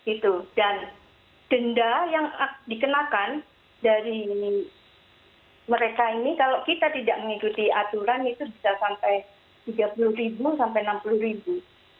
itu dan denda yang dikenakan dari mereka ini kalau kita tidak mengikuti aturan itu bisa sampai tiga puluh ribu sampai enam puluh ribu